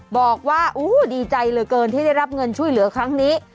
บอกว่าดีใจเหลือเกินที่ได้รับเงินช่วยเหลือครั้งนี้